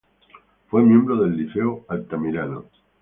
Fue miembro del Liceo Altamirano.